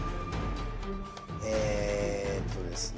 えっとですね。